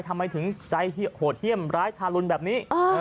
ทำไมถึงใจโหดเยี่ยมร้ายทารุณแบบนี้